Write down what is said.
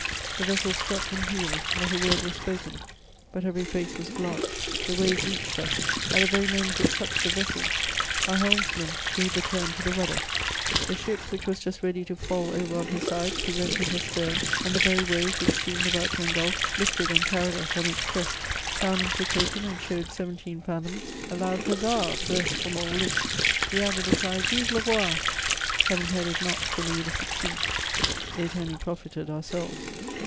The vessel struck and heeled ; not a word was spoken ; but every &ce was blanched. The wave reached us ; at the very moment it touched the vessel, our helmsman gave the turn to the 308 MEMOIRS OF rudder ; the ship, which was just ready to fiall over on her side, presented her stem, and the very wave which seemed ahout to engulph, lifted and carried us on its crest ; soundings were taken, and showed seventeen fathoni0 ; a loud huzza burst from all lips ; we added the cry " Vive le Roi !*' Heaven heard it not for Louis XVI. ; it only profited ourselves.